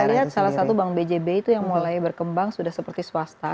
kita lihat salah satu bank bjb itu yang mulai berkembang sudah seperti swasta